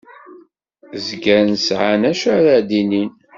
Zgan sɛan acu ara d-inin.